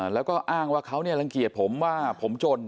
แล้วก็อ้างว่าเขาเรียกดุดการรังเกียจผมว่าผมจน